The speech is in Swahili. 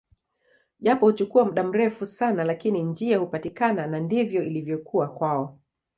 Japo huchukua muda mrefu sana lakini njia hupatikana na ndivyo ilivyokuwa kwao